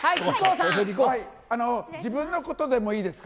自分のことでもいいですか？